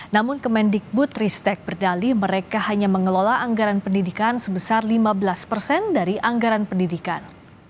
namun kemendikbud ristek berdali mereka hanya mengelola anggaran pendidikan sebesar lima belas persen dari anggaran pendidikan